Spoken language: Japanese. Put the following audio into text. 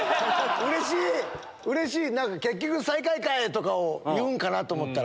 うれしい、なんか結局最下位かい！とか言うんかなと思ったら。